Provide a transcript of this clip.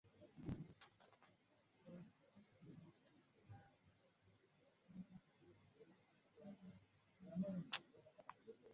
kuwajeruhi wengine wanane katika mkoa wa Est nchini Burkina Faso siku ya Jumapili